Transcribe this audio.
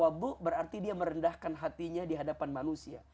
apa itu tawaddu berarti dia merendahkan hatinya di hadapan manusia